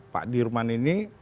pak dirman ini